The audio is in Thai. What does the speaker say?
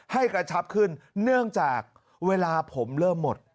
ให้กระชับขึ้นเนื่องจากเวลาผมเริ่มหมด